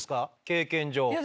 経験上。